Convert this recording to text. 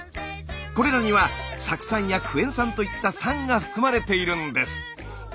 これらには酢酸やクエン酸といった酸が含まれているんです。